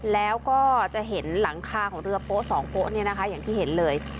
แล้วก็จะเห็นหลังคาของเรือโป๊ะสองโป๊ะเนี่ยนะคะอย่างที่เห็นเลย